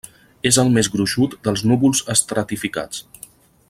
És el més gruixut dels núvols estratificats.